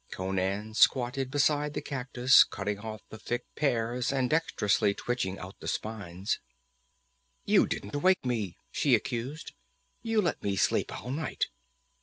Conan squatted beside the cactus, cutting off the thick pears and dexterously twitching out the spikes. "You didn't awake me," she accused. "You let me sleep all night!"